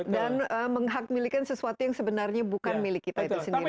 dan menghakmilikan sesuatu yang sebenarnya bukan milik kita itu sendiri